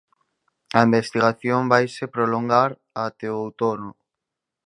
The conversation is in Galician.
A investigación vaise prolongar até o outono.